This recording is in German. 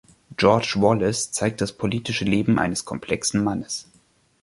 „George Wallace“ zeigt das politische Leben eines komplexen Mannes.